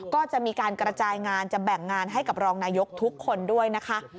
ก็จะมีการกระจายงานจะแบ่งงานให้กับรองนายกทุกคนด้วยนะคะ